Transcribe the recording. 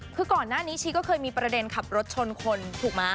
คือก่อนหน้านี้ชีก็เคยมีประเด็นขับรถชนคนถูกไหม